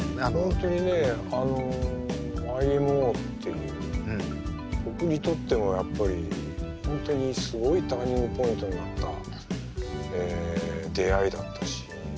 本当にねＹＭＯっていう僕にとってもやっぱり本当にすごいターニングポイントになった出会いだったし。